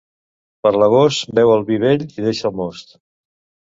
Per l'agost beu el vi vell i deixa el most.